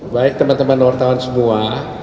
baik teman teman wartawan semua